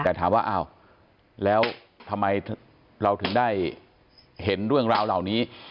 แต่ถามว่าอ้าวแล้วทำไมเราถึงได้เห็นเรื่องราวเหล่านี้